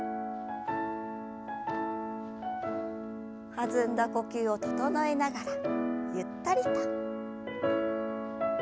弾んだ呼吸を整えながらゆったりと。